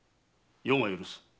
余が許す。